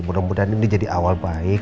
mudah mudahan ini jadi awal baik